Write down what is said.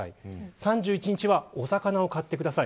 ３１日はお魚を買ってください。